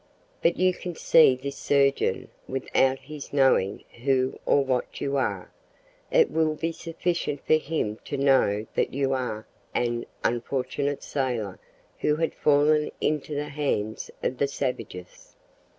But you can see this surgeon without his knowing who or what you are. It will be sufficient for him to know that you are an unfortunate sailor who had fallen into the hands of the savages."